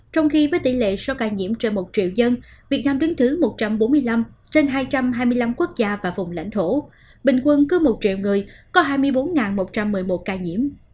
trong khi với tỷ lệ số ca nhiễm trên một triệu dân việt nam đứng thứ một trăm bốn mươi năm trên hai trăm hai mươi năm quốc gia và vùng lãnh thổ bình quân cứ một triệu người có hai mươi bốn một trăm một mươi một ca nhiễm